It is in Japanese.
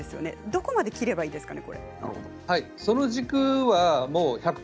どこまで切ればいいですか。